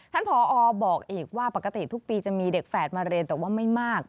ผอบอกอีกว่าปกติทุกปีจะมีเด็กแฝดมาเรียนแต่ว่าไม่มาก